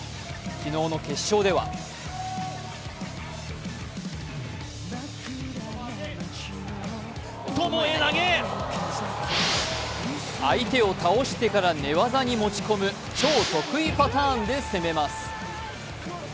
昨日の決勝では相手を倒してから寝技に持ち込む、超得意パターンで攻めます。